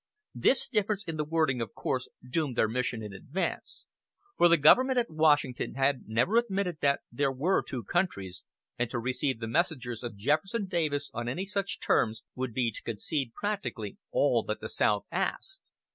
This difference in the wording of course doomed their mission in advance, for the government at Washington had never admitted that there were "two countries," and to receive the messengers of Jefferson Davis on any such terms would be to concede practically all that the South asked.